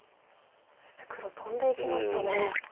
そして黒トンでいきましたね。